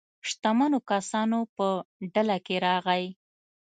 شتمنو کسانو په ډله کې راغی.